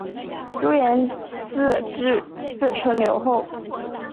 朱延嗣自称留后。